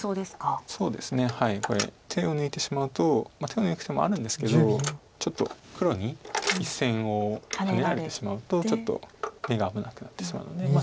手を抜く手もあるんですけどちょっと黒に１線をハネられてしまうとちょっと眼が危なくなってしまうので。